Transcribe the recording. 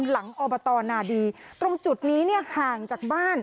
หลังอบตรนาดีตรงจุดนี้ห่างจากบ้าน